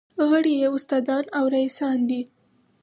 غړي یې استادان او رییسان دي.